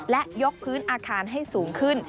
และยกพื้นอาคารให้สูงขึ้น